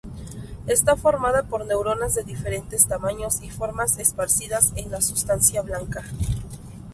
Está formada por neuronas de diferentes tamaños y formas esparcidas en la sustancia blanca.